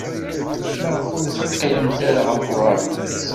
Maɣef ur teqqilem ara ɣer uɣerbaz?